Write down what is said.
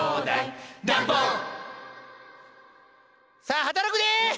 さあ働くで！